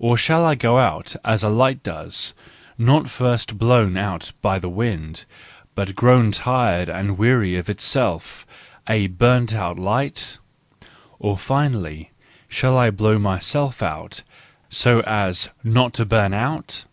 Or shall I go out as a light does, not first blown out by the wind, but grown tired and weary of itself—a burnt out light? Or finally, shall I blow myself out, so as not to bum out